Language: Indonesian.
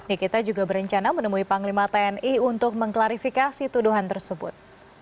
nikita juga berencana menemui panglima tni untuk mengklarifikasi tuduhan tersebut